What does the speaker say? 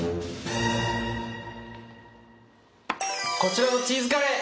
こちらのチーズカレー！